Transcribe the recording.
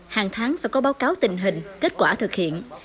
hàng tháng phải có báo cáo tình hình kết quả thực hiện